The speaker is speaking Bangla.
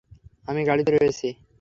আমি গাড়িতে রয়েছি।